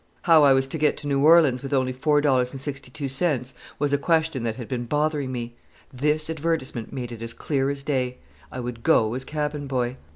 How I was to get to New Orleans with only $4.62 was a question that had been bothering me. This advertisement made it as clear as day. I would go as cabin boy.